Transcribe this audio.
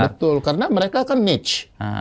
betul karena mereka kan notch